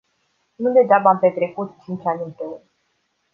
Nu degeaba am petrecut cinci ani împreună.